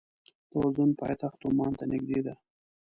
د اردن پایتخت عمان ته نږدې ده.